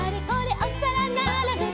おさらならべて」